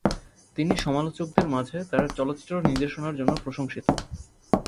তিনি সমালোচকদের মাঝে তার চলচ্চিত্র নির্দেশনার জন্য প্রশংসিত।